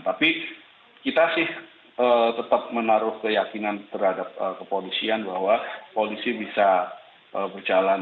tapi kita sih tetap menaruh keyakinan terhadap kepolisian bahwa polisi bisa berjalan